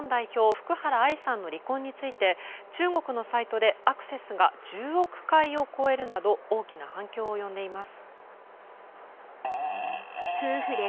福原愛さんの離婚について中国のサイトでアクセスが１０億回を超えるなど大きな反響を呼んでいます。